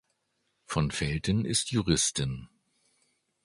Von Felten ist Juristin.